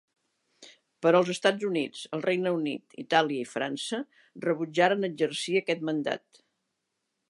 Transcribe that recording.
Però els Estats Units, el Regne Unit, Itàlia i França rebutjaren exercir aquest mandat.